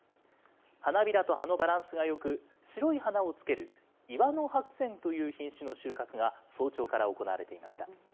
花びらと葉のバランスがよく、白い花をつける岩の白扇という品種の収穫が早朝から行われていました。